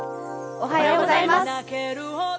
おはようございます。